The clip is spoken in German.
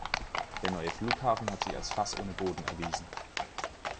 Der neue Flughafen hat sich als Fass ohne Boden erwiesen.